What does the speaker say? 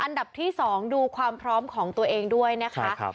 อันดับที่๒ดูความพร้อมของตัวเองด้วยนะคะ